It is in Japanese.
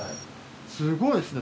すごいっすね